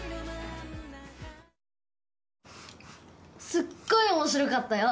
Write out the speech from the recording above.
すっごい面白かったよ。